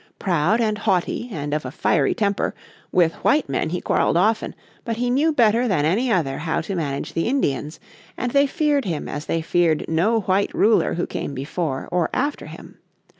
Proud and haughty and of a fiery temper, with white men he quarreled often, but he knew better than any other how to manage the Indians, and they feared him as they feared no white ruler who came before or after him.